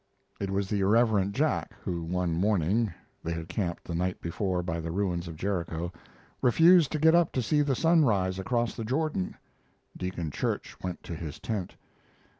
It was the irreverent Jack who one morning (they had camped the night before by the ruins of Jericho) refused to get up to see the sun rise across the Jordan. Deacon Church went to his tent.